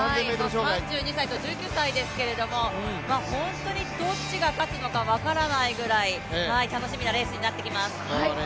３２歳と１９歳ですけれども、本当にどっちが勝つのか分からないぐらい楽しみなレースになってきます。